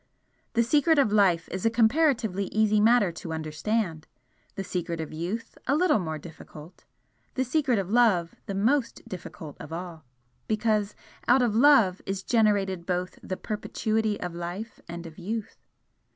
The secret of life is a comparatively easy matter to understand the secret of youth a little more difficult the secret of love the most difficult of all, because out of love is generated both the perpetuity of life and of youth.